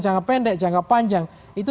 jangka pendek jangka panjang itu